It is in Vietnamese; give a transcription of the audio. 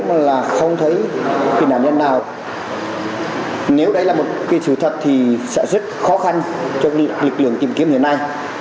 kết quả tìm kiếm là không thấy hình ảnh nhân nào nếu đây là một sự thật thì sẽ rất khó khăn cho lực lượng tìm kiếm hiện nay